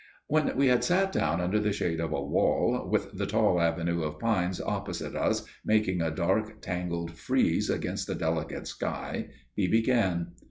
When we had sat down under the shade of a wall, with the tall avenue of pines opposite us making a dark tangled frieze against the delicate sky, he began.